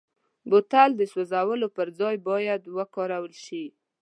بوتل د سوزولو پر ځای باید بیا وکارول شي.